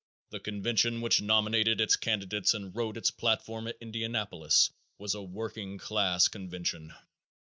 The convention which nominated its candidates and wrote its platform at Indianapolis was a working class convention.